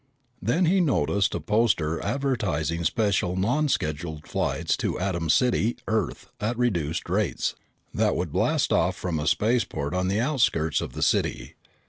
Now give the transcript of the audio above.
Then he noticed a poster advertising special non scheduled flights to Atom City, Earth, at reduced rates, that would blast off from a subspaceport on the outskirts of the city.